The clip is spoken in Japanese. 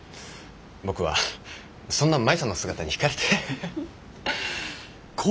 僕はそんな舞さんの姿に引かれて。